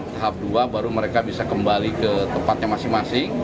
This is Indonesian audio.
tahap dua baru mereka bisa kembali ke tempatnya masing masing